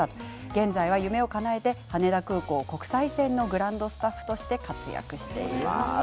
現在は夢をかなえて羽田空港国際線のグランドスタッフとして活躍しております。